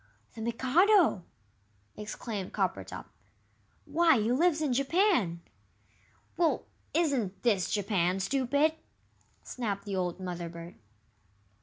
"The Mikado!" exclaimed Coppertop; "why, he lives in Japan!" "Well, isn't this Japan, stupid?" snapped the old Mother bird.